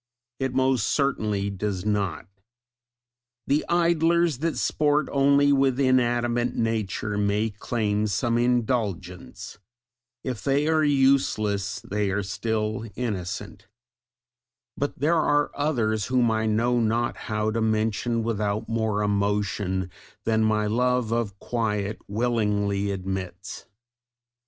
It most certainly does not! The Idlers that sport only with inanimate nature may claim some indulgence; if they are useless, they are still innocent; but there are others, whom I know not how to mention without more emotion than my love of quiet willingly admits.